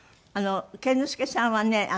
健之介さんはね